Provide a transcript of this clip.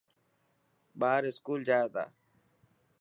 ٻار اسڪول جائي تا.